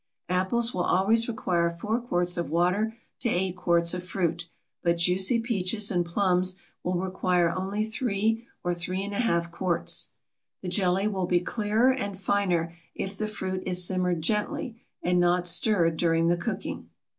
Apples will always require 4 quarts of water to 8 quarts of fruit, but juicy peaches and plums will require only 3 or 3½ quarts. The jelly will be clearer and finer if the fruit is simmered gently and not stirred during the cooking.